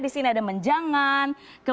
di sini ada menjangan